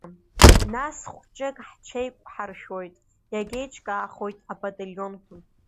Нас хәҷык ҳҽеиқәҳаршәоит, иагьеиҿкаахоит абаталионқәа.